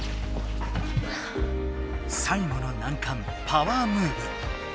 最後のなんかんパワームーブ。